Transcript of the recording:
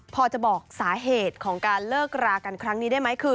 พอจะบอกสาเหตุของการเลิกรากันครั้งนี้ได้ไหม